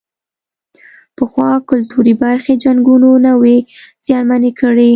پخوا کلتوري برخې جنګونو نه وې زیانمنې کړې.